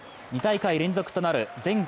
２大会連続となる全